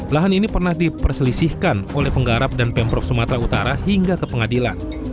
lahan ini pernah diperselisihkan oleh penggarap dan pemprov sumatera utara hingga ke pengadilan